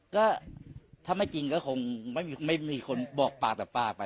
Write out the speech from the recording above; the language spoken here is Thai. ก็ถ้าไม่จริงก็คงไม่มีคนบอกปากต่อปากไป